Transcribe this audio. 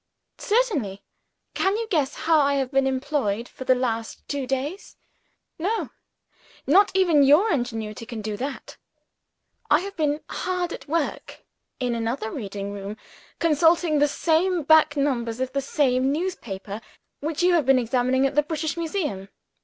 "Certainly! Can you guess how I have been employed for the last two days? No not even your ingenuity can do that. I have been hard at work, in another reading room, consulting the same back numbers of the same newspaper, which you have been examining at the British Museum.